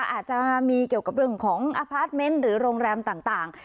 อาจจะมีเกี่ยวกับเรื่องของอพาร์ทเมนต์หรือโรงแรมต่าง